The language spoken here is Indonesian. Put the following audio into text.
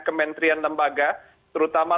kementerian lembaga terutama